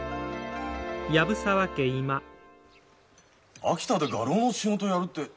秋田で画廊の仕事をやるって。